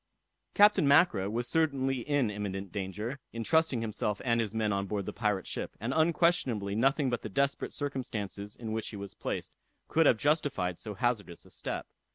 Captain Mackra was certainly in imminent danger, in trusting himself and his men on board the pirate ship, and unquestionably nothing but the desperate circumstances in which he was placed could have justified so hazardous a step.